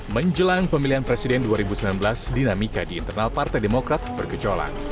menjelang pemilihan presiden dua ribu sembilan belas dinamika di internal partai demokrat berkecolan